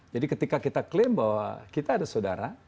jadi ketika kita klaim bahwa kita ada saudara